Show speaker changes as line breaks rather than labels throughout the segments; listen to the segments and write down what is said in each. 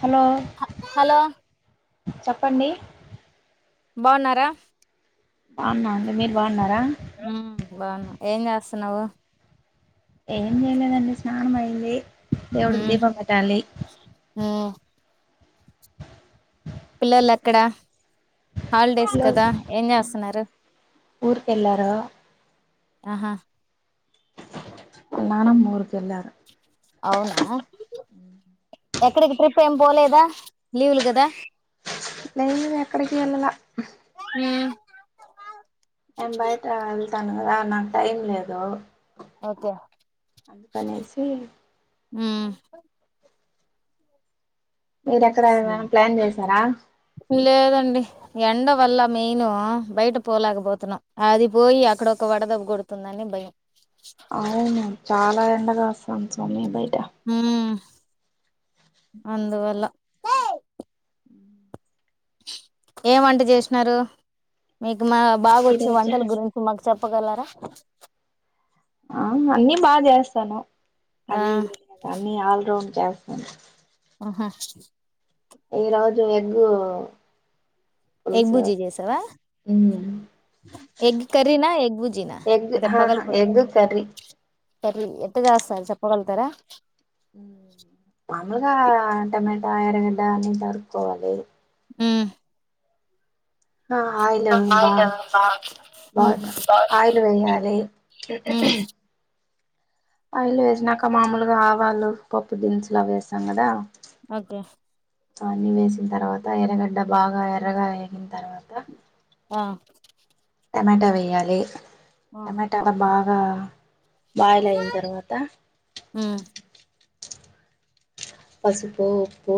Hello
hello
చెప్పండి
బాగున్నారా
బాగున్నా అండి మీరు బాగున్నారా
ఊ బాగున్న ఏం చేస్తున్నావు
ఏం చేయలేదు అండి స్నానం అయ్యింది దేవుడుకి
ఉమ్
దీపం పెట్టాలి
ఉమ్ పిల్లలు ఎక్కడ హాలిడేస్
పిల్లోలు
కదా ఏం చేస్తున్నారు
ఊరికెళ్ళారు
ఆహా
స్నానం ఊరుకి ఎలార
అవునా ఎక్కడికి ట్రిప్ ఏమి పోలేదా లీవ్ లు కదా
లే లే ఎక్కడికి వెళ్లలే
హుమ్
ఏం బయట తాను కదా నాకు టైం లేదు
ఓకే
అందుకనేసి
హ్మ్
మీరూ ఎక్కడ ఏదైనా ప్లాన్ చేసారా
లేదండి ఎండ వల్ల మేయిను బయట పోలేకపోతున్నాం అది పోయి అక్కడ ఒక వడ దెబ్బ కొడుతుందని భయం
అవునా చాలా ఎండగా వస్ రాం స్వామి బయటా
అందువల్లా ఏం వంట చేసినారు మీకు మా బాగా
ఈ
వచ్చే
రోజు
వంటల గురించి మాకు చెప్ ప్పగలార
ఆ అవును అన్ని బా చేస్తాను
ఆ
అదే ఇదే అని కాదు అన్ని అల్రౌండ్ [unintelligible]
హ్మ్ హు
ఈ రోజు ఎగ్గు
ఎగ్
పులుసు
బుజి చేసవా
హ్మ్
ఎగ్ కర్రీనా ఎగ్ బుజిన
ఎగ్
అదే
ఆహా
పగల్
ఎగ్ కర్రీ
సర ఎట్ జాస్త స చెప్పగలుతారా
నగ టమెటా ఎరగడ్డ అన్ని తరుక్కోవాలి
హ్మ్
ఆ ఆయిల్ బాగు
ఉమ్. ఉమ్.
బాగున్నా ఆయిల్ వేయాలి ఆ ఇల్లు వేసినాక మాముూలుగా ఆవాలు పప్పు దినుసులు అవి వేస్తాం కదా
అగే
అన్నీ వేసిన తర్వాత ఎరగడ్డ బాగా ఎర్రగా వేగిన తర్వాత
ఆ
టమేటా వేయాలి
ఆ
టమెటాలా బాగా బాయిల్ అయిన తర్వాత
ఉమ్
పసుపు ఉప్పు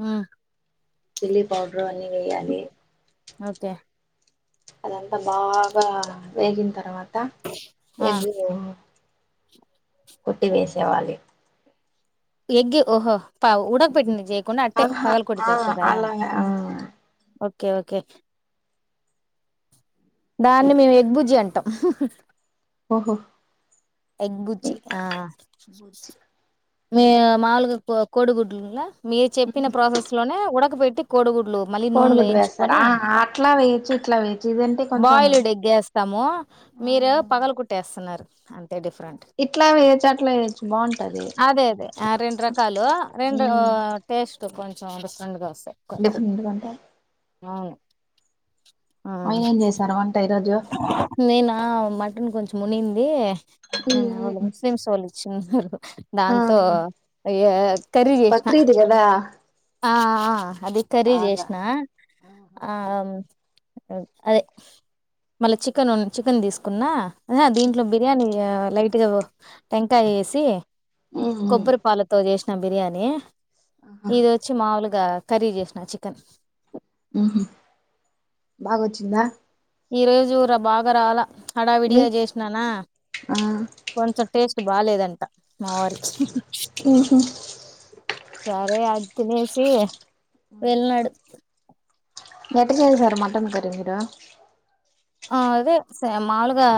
హ్మ్
చిల్లీ పౌడరు అన్ని వెయ్యాలి
ఓకే
అదంతా బాగా వేగిన తర్వాత త
ఆ
ఎగు కుట్టి వేసేవాళ్ళి
ఎగ్ ఓహో పా ఉడక పెట్టింది జ
అహా ఆ అలాగే ఆ
ఓకే ఓకే దాన్ని మేము ఎగ్బుజ్జి అంటాం
ఓహొ
ఎగ్ బుర్జీ ఆ
బుజ్జి
మీ మాములుగా కోడి గుడ్లు ఉండ్లా మీరు చెప్పిన ప్రాసెస్ లోనే ఉడక పెట కోడిగు మళ్ళీ నూనెలో
కోడిగుడ్డు వేస్తారా
ఎంచుకొని
ఆ అట్లా వేయచ్చు ఇట్లా వేయచ్చు ఇదంటే కొంచెం
బాయిల్డ్ ఎగ్ ఏస్తాము మీరు పగల కొట్టి వేస్తున్నారు అం
ఇట్లా వేయచ్చు అట్లా వేయచ్చు బాంటది
అదే అదే రెండు రకాలు రెండు టేస్ట్ కొంచం డిఫరెంట్గ వస్
డిఫరెంట్గ అంటే
అవును ఆ
ఆయన ఏం చేశారు వంట ఇ
నేనా మ అను కొంచెంమునింది నిన్న వాళ్ళు ముస్లింసొల్లు ఇచ్ సరిపో
ఆ
దాంతో ఏ కర్రి చేసిన
బక్రీద్ కదా
ఆ అది కర్రీ
అవునా
చేసిన ఆ అదే మళ్ళా చికెన్ చికెన్ తీసుకున్నా అదే దీంట్లో బిర్యానీ లైట్గా ఓ టెంకాయ ఏసి కొబ్బరి పాలతో చేసిన న బిర్యానీ ఇది వచ్చి మాములగ కర్రీ చేసిన చికెన్
బాగోచ్చింద
ఈ రోజు బాగా రాల
ఏ
హడావిడిగా చేసిన నా కొంచెం టేస్ట్ బాలేదంట మా వారికి
ఓహో
సరే ఆధ్ తినేసి వెల్నాడు
ఎట్ట చేశారు మటన్ కర్రి మీరు
ఆ అదే స మాములుగా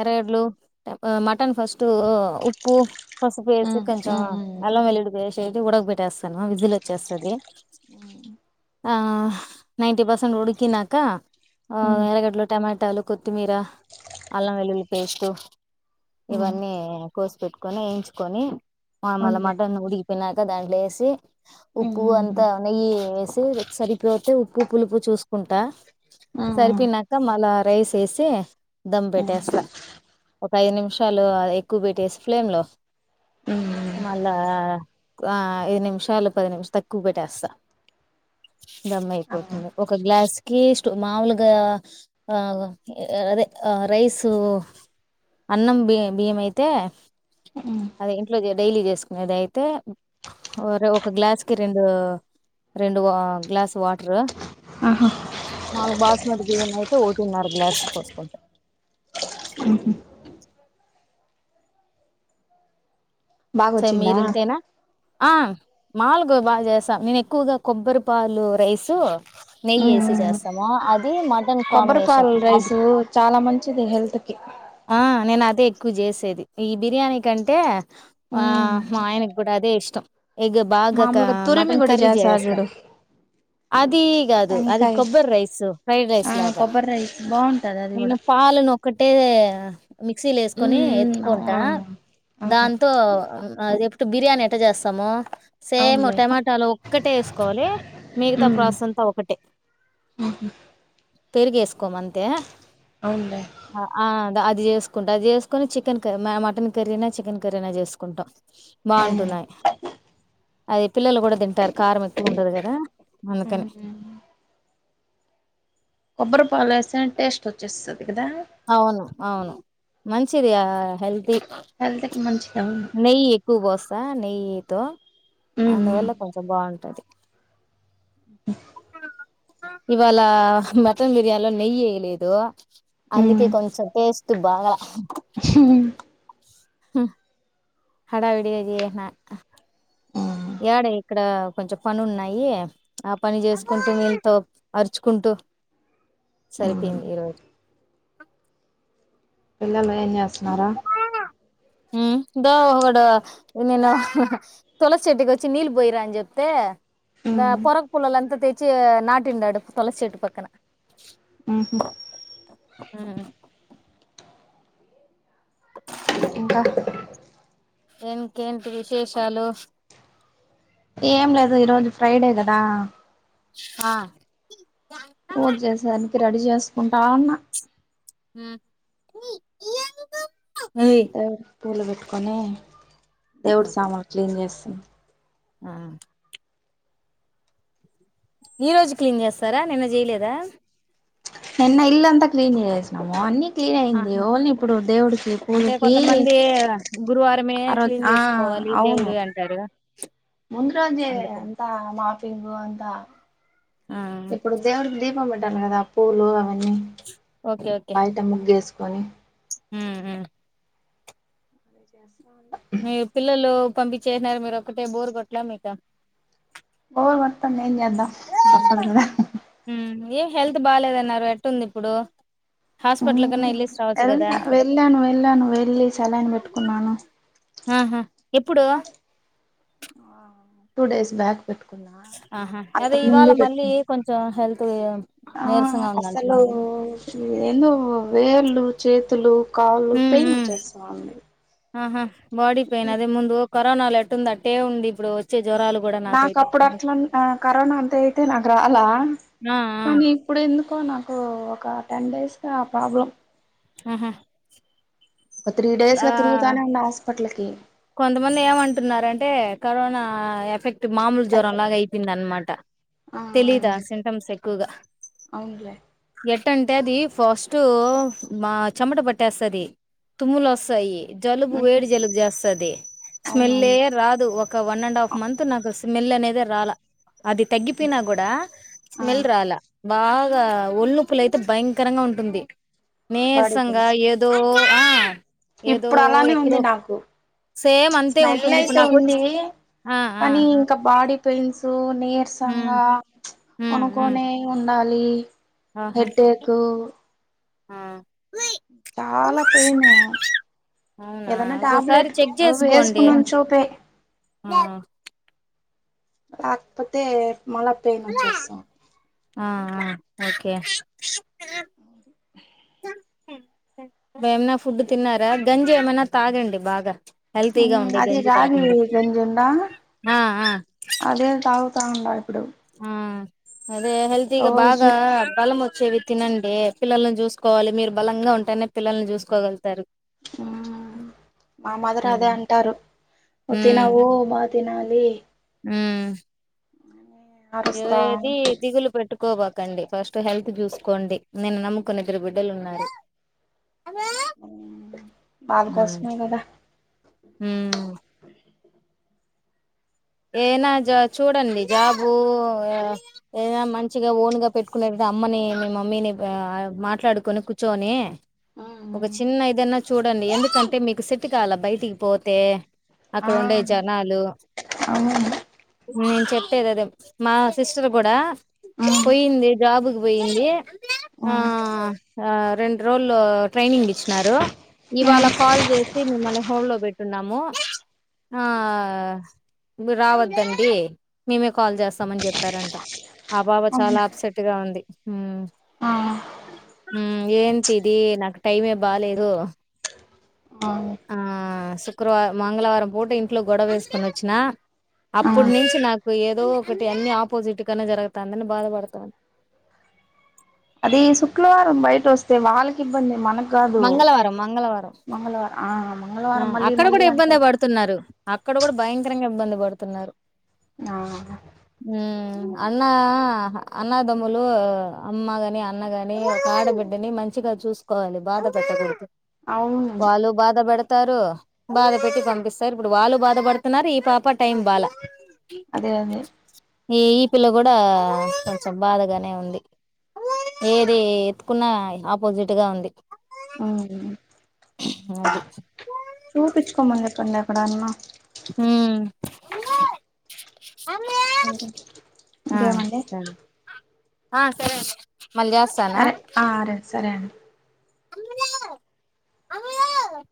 ఎరడ్లు మటన్ ఫస్ట్ ఉప్పు పసుపు వేసి
హమ్
కొంచెం
హమ్
అల్లం వెల్లుల్లి పేస్ట్ వేసి ఉడక పెట్టేస్తను విజిల్ వచ్చేస్తది
ఉ
ఆ నైన్టీ పర్సెంట్ ఉడికినాక
ఉమ్
ఎరగడ్లు టమాటాలు కొత్తిమీర అల్లం వెల్లుల్లి పేస్టు
ఉమ్
ఇవన్నీ కోసిపెట్టుకొని వేయించుకొని మళ్ళీ
అవునులే
మటన్ ఉడికిపోనాక దాంట్లో వేసి
ఉమ్
ఉప్పు అంతా
ఉమ్
నెయ్యి వేసి సరిపోతే ఉప్పు పులుపు చూసుకుంటా
ఆ ఆ
సరిపోనాక మళ్ళా రైస్ వేసి దమ్
ఉమ్
పెట్టేస్తా ఒక ఐదు నిమిషాలు ఎక్కువ పెట్టేసి ఫ్లేమ్లో
ఉమ్
మళ్ళా ఐదు నిమిషాలు పది నిమిషాలు త ఎక్కువ పెట్టేస్తా దమ్
ఆ
అయిపోతుంది ఒక గ్లాస్ కిష్ట మాముూలుగ ఆ అదే ఆ రైసు అన్నం బియ్యం అయితే
ఉమ్
అది ఇంట్లో డైలీ చేసుకునేది అయితే ఒక గ్లాస్ కి రెండు రెండు గ్లాసు వాటరు
ఆహా
ఆ బాస్మతి బియ్యం అయితే ఓటి నరా గ్లాస్ పోసుకుంటాం
బాగొచ్చిందా
మీర్ ఇంతేనా ఆ మాలుగ బాగా చేస్తాం నేను ఎక్కువగా కొబ్బరి పాలు రైసు నెయ్యి వేసి చేస్తాము అది మటన్ కాంబినేషన్
కొబ్బరిపలు
అది
రైసు చాలా మంచిది హెల్త్ కి
ఎక్కు చేసేది ఈ బిర్యానీ కంటే ఆ
ఉమ్
మా ఆయనకు కూడా అదే ఇష్టం ఎగ్ బాగా
మామూలుగా తురిమి
మటన్
కూడా
కర్రీ
చేస్తారు
చేసేస్త
చూడు
అది కాదు అది
వంకాయ
కొబ్బరి రైస్ ఫ్రైడ్
ఆ
రైస్ లాగా
కొబ్బరి రైస్ బాగుంటది అది
నేను
కూడా
పాలను ఒక్కటే మిక్సీలు వేసుకొని
ఉమ్ ఉమ్
ఎత్తుకుంటా
అవును ఆహా
దాంతో అది ఎప్పుడు బిర్యానీ ఎట్ట చేస్తామో సేమ్
అవునులే
టమాటాలు ఒక్కటే వేసుకోవాలి మిగతా
ఉమ్
ప్రాసెస్ అంతా ఒకటే పెరుగు వేసుకోము అంతే
అవునులే
ఆ అది చేసుకుంటాం అది చేసుకొని చికెన్ క్రీ మటన్ కర్రీనో చికెన్ కర్రీనో చేసుకుంటాం
అవునులే
బాగుంటున్నాయి్ ఎప్ప పిల్లలు కూడా తింటారు కారం ఎక్కువ ఉండదు కదా అందుకని
ఉమ్ కొబ్బరి పాలస్తేనే టేస్ట్ వచ్చేస్తంది
అవును అవును మంచిది కదా హెల్తీ
హెల్త్ కి మంచిది అవును
నెయ్యి ఎక్కువ పోస్త నెయ్యి హా
ఉమ్ ఉమ్
అందువల్ల కొంచెం బాగుంటది ఇవాళ మటన్ బిర్యానీ లో నెయ్యి వేయలేదు
ఉమ్
అందుకే కొంచెం టేస్ట్ బాలా హు [unintelligible] డ ఇక్కడ కొంచెం పని ఉన్నాయి ఆ పని చేసుకుంటూ నీతో అరుచుకుంటూ సరిపోయింది ఈరోజు
పిల్లలు ఏం చేస్తున్నారు
ఇా ఒకడు నేను తులసి చెట్టుకి వచ్చి నీళ్ళు పోయిరా అని చెప్తే ద పొరగ పుల్లలుంతా తెచ్చి నాటిండాడు తులసి చెట్టు పక్కన
ఆహా
ఉమ్
ఇంకా
ఇంకేంటి విశేషాలు
ఏం లేదు ఈ రోజు ఫ్రైడే కదా
ఆ
పూజ చేసేదానికి రెడీ చేసుకుంటా ఉన్నా
హు ఈ ఎందుకు ఏయ్
దేవుడికి పూలు పెట్టుకొని
కూతు
దేవుడు
మాట్లాడు
సామాన్లు క్లీన్ చేస్త అ
ఆ ఈ రోజు క్లీన్ చేస్తారా నిన్న చేయలేదా
నిన్న ఇల్లంత క్లీీన్ చేసేసినాము అన్ని క్లీన్ ఆయింది
ఆహా
ఓన్లీ ఇప్పుడు దేవుడికి
అంటే
పూజకి
కొంతమంది గురువారమే
ఆ రజు
క్లీన్
ఆ
చేసుకోవాలి
అవును
దేవుడు అంటారు
ముందు రోజే
అందుకని
అంతా మాఫింగు అంతా
ఆ
ఇప్పుడు దేవుడికి దీప్ దీపం పెట్టల్ల కదా పూలు అవన్ని బయట ముగ్గేసుకు కొని
హు హు
జసా
మీరు పిల్లలు పంపించేసినారు మీరు ఒక్కటే బోర్ కొట్లా మీక
బోర్ కొడతంది ఏం చేద్దాం తప్పదు కదా
ఉమ్ ఏం హెల్త్ బాలేదన్నారు ఎట్టుంది ఇప్పుడు
ఉ
హాస్పిటల్ కన్నా వెళ్ళేసి రావచ్చు కదా
వెళ్తా వెళ్ళాను వెళ్ళాను వెళ్ళి సలయిన్ పెట్టుకున్నాను
ఆహా ఎప్పుడు
టూ డేస్ బ్యాక్ పెట్టు
ఆహా అదే ఇవాళ మళ్ళీ కొంచెం హెల్త్ ఏం
ఆ అసలు ఎందో వేళ్ళు చేతులు కాల్లు
ఉమ్
పెయిన్
ఉమ్
వచ్చేస్తా ఉంది
ఆహా బాడి పేయిన్ అదే ముందు కరోనాలో ఎట్టుంది అట్టే ఉంది ఇప్పుడు జ్వరాలు కూడా
నాకు
నాకైతే
అప్పుడు అట్లంతా కరోనా అంత అయితే నాకు రాలా
ఆ ఆ
కానీ ఇప్పుడు ఎందుకు ఎందుకో నాకు ఒక టెన్ డేస్ గా ప్రాబ్లం
ఊ హు
ఒక త్రీ డేస్గా తిరుగుతానే ఉన్న హాస్పిటల్ ఉ
కొంతమంది ఏమంటున్నారంటే కరోనా ఎఫెక్ట్ అంటే మామూలు జ్వరంలాగా అయిపోయింది అనమాట
ఆ
తెలీదా సింటమ్స్ ఎక్కువగా
అవునులే
ఎట్ ఎట్ట అంటే అది ఫస్ట్ మా చెమట పట్టేస్తది తుమ్లు వస్తాయి జలుబు
ఉమ్
వేడ్ జలుబు జాస్ స్మెల్ లే
అవునవును
రాదు ఒక వన్ అండ్ హాఫ్ మంత్ నాకు అస్ స్మెల్ అనేదే రాల అది తగ్గిపోయినా కూడా
ఆ
స్మెల్ రాలా బాగా ఒల్లిొప్పులు అయితే భయంకరంగా ఉంటుంది
బాడీ
నీరసంగా
పెయిన్స్
ఏదో కో ఆ ఏదో
ఇప్పుడు అలానే ఉంది
ఎక్కడో
నాకు
సేమ్ అంతే
స్మెల్
ఉంటుంది ఇప్పుడు
అయితే
నాకు
ఉంది
వచ్చి ఆ ఆ
కానీ ఇంకా బాడీ పెయిన్స్ తోన్
హ్మ్
నీర్సంగా
హ్మ్ హ్మ్
కొనుకునే ఉ నాలీ
ఆహా
హెడేకూ
ఆ
చాలా పెయిను
అవునా
ఏదన్నా
ఒకోసారి
టాబ్లెట్
చెక్ చేసుకోండి
వేసుకున్నా చూపే
ఆ
ఆకపోతే మళా పెయిన్ వచ్చేస్తాం
ఆ ఆ ఓకే ఏమనా ఫుడ్ తిన్నారా గంజి ఏమైనా తాగండి బాగా హెల్తీగా
ఉమ్
ఉండే
అదిే
గంజి
రాగి
తాగండి
గంజి ఉందా
ఆ ఆ
అదే తాగ్ త్త ఉండా ఇప్పుడు
ఆ అదే హెల్త్ీగా
రోజు
బాగా బలం వచ్చేవి తినండి పిల్లలను చూసుకోవాలి మీరు బలంగా ఉంటేనే పిల్లల్ని చూసుకోగలుగుతారు
మా మాదర్ అదే అంటారు ను తినవ్ మా తినాలి
హుమ్ ఏగా
అరుస్తా
ఏది దిగులు పెట్టు కోబకండి ఫస్ట్ హెల్త్ చూసుకోండి నిన్ను నమ్ముకుని ఇద్దరు బిడ్డలు ఉన్నారు
వాళ కోసమే కదా
హూ మ్ ఏనా జా చూడండి జాబు ఏనా మంచిగా ఓన్గా పెట్టుకునేతే అమ్మని మీ మమ్మీని మాట్లాడుకొని కూర్చోొని ఒక చిన్న
ఆ
ఇ ఏదన్నా చూడండి ఎందుకంటే మీకు సెట్టు కాలా బయటికి పోతే
అవును ఆ
అక్కడ ఉండే జనాలు
ఆ
నేను చెప్పేది అదే మా సిస్టర్ కూడా పోయింది జాబ్ కి పోయింది ఆ రెండు రోజులు ట్రైనింగ్ ఇచ్చినారు ఇవాళ కాల్ చేసి మిమ్మల్ని హోల్డ్ లో పెట్టున్నాము ఆ నువ్ రావద్దండి మేమే కాల్ చేస్తామని చెప్పారంట ఆ పాపా
అవును
చాలా అప్సెట్ గా ఉంది
ఆ
ఊ ఏంటి ఇది నాకు టైమే బాలేేదు
అవును
ఆ శుక్రవార మంగళవారం పూట ఇంట్లో గొడవ వేసుకొని వచ్చిన
ఆ
అప్పుడి నుంచి నాకు ఏదో ఒకటి అన్ని ఆపోజిట్ గనే జరుగుతాందని బాధపడతోంది
అది శుక్లవారం బయట వస్తే వాళ్ళకి ఇబ్బంది మనకి
మంగళవారం మంగళవారం
ఆ
ఆ
మంగళవారం మళ్ళీ
అక్కడ
మళ్ళీ
కూడా ఇబ్బందే
అంటారు
పడుతున్నారు అక్కడ కూడా భయంకరంగా ఇబ్బంది పడుతున్నారు
ఆ
హ్మ్. అన్న అన్నదమ్ములు అమ్మగాని అన్నగాని ఒక ఆడబిడ్డని మంచిగా చూసుకోవాలి బాధ పెట్టకూడదు
అవును
వాళ్ళు బాధ పెడత స్తారు బాధ పెట్టి పంపిస్తారు ఇప్పుడు వాళ్ళు బాధ పడుతున్నారు ఈ పాపా టైం బాల
అదే అదే
ఈ ఈ పిల్ల కూడా కొంచెం బాధగానే ఉంది ఏది ఎత్తుకున్న ఆపోజిట్గా ఉంది
ఊ
అది
చూపించుకోమని చెప్పండి ఎక్కడన్నా
ఊ
ఇంకేమండి
సరే ఆ సరే అ
సరే ఆ అరే సరే అండి
అమ్ములు ఆ అమ్ములు